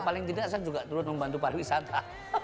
ya paling tidak saya juga turut membantu pak wisata